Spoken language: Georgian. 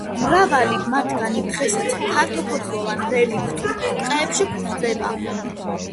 მრავალი მათგანი დღესაც ფართოფოთლოვან რელიქტურ ტყეებში გვხვდება.